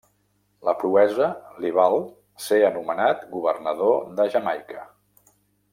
La proesa li val ser anomenat governador de Jamaica.